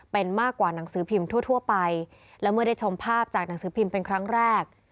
เป็นมากกว่าหนังสือพิมพ์ทั่วไปและเมื่อได้ชมภาพจากหนังสือพิมพ์เป็นครั้งแรก